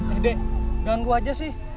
eh dek ganggu aja sih